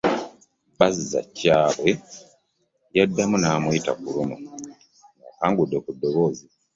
Bazzakyabwe yaddamu n'amuyita ku luno ng'akangudde ku ddoboozi.